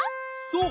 そう！